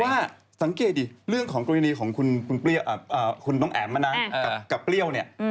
ว่าสังเกตดิเรื่องของกรณีของคุณน้องแอ๋มนะกับเปรี้ยวเนี่ย